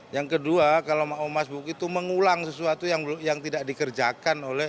yang kedua kalau mau mas buk itu mengulang sesuatu yang tidak dikerjakan oleh